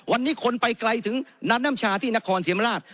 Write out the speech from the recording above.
วันนี้คนไปไกลถึงนัดน้ำชาที่นครเสียมราช